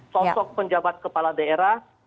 sosok penjabat kepala daerah